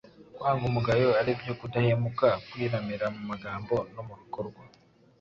Kwanga umugayo aribyo kudahemuka, kwiramira mu magambo no mu bikorwa